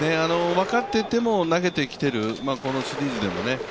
分かっていても投げてきている、このシリーズでも。